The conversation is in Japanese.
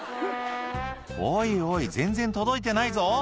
「おいおい全然届いてないぞ」